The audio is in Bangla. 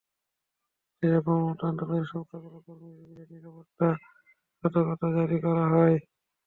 দেশে কর্মরত আন্তর্জাতিক সংস্থাগুলোর কর্মীদের বিশেষ নিরাপত্তা সতর্কতা জারি করা হয়।